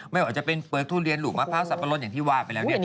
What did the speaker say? ไม่ออกจะเป็นเกษตรปืนทูเรียนหรูมะพร้าวสับปะโรนอย่างที่ว่าไปแล้ว